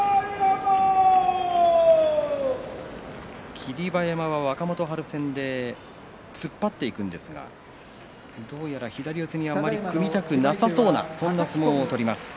霧馬山は若元春戦で突っ張っていくんですがどうやら左四つにあまり組みたくなさそうなそんな相撲を取ります。